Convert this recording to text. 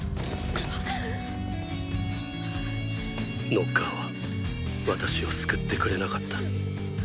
ノッカーは私を救ってくれなかった。